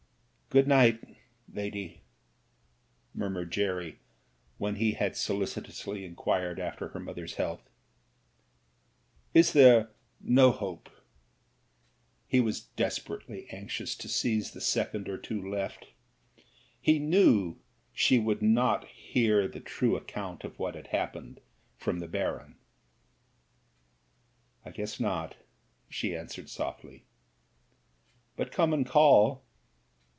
"Good night, lady," murmured Jerry, when he had solicitously inquired after her mother's health. "Is there no hope ?" He was desperately anxious to seize the second or two left; he knew she would not hear the true account of what had happened from the Baron. "I guess not," she answered softly. "But come and call."